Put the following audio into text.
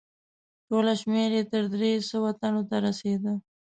ټوله شمیر یې تر درې سوه تنو ته رسیده.